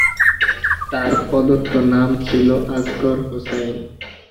তাঁর প্রদত্ত নাম ছিলে আসগর হুসাইন।